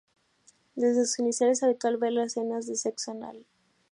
Desde sus inicios es habitual verla en escenas de sexo anal.